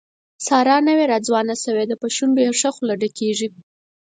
ساره نوې راځوانه شوې ده، په شونډو یې ښه خوله ډکېږي.